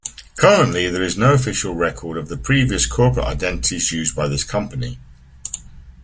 Currently, there is no official record of previous corporate identities used by this company.